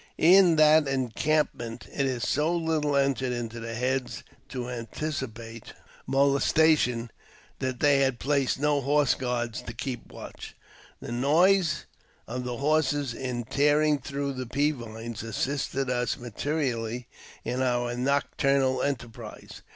In that encampment it so little entered into their heads to anticipate molestation that they had placed no horse guards to keep watch. The noise of the horses in tearing through the pea vine» assisted us materially in our nocturnal enterprise.